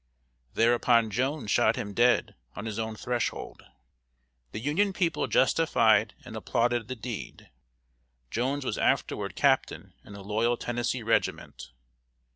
Thereupon Jones shot him dead on his own threshold. The Union people justified and applauded the deed. Jones was afterward captain in a loyal Tennessee regiment.